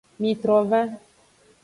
Mitrova.